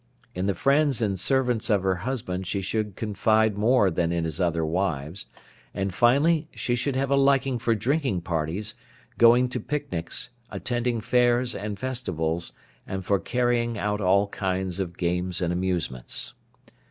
In the friends and servants of her husband she should confide more than in his other wives, and finally she should have a liking for drinking parties, going to picnics, attending fairs and festivals, and for carrying out all kinds of games and amusements.